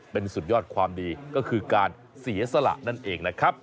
เป็นสุดยอดความดีก็คือการเสียสละนั่นเองนะครับ